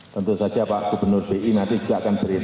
tentu saja pak gubernur bi nanti juga akan berintera